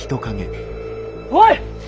おい！